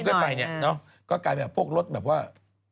ก็มันกลายเป็นแบบพวกรถแบบว่า